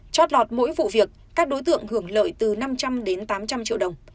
chót lọt mỗi vụ việc các đối tượng hưởng lợi từ năm trăm linh đến tám trăm linh triệu đồng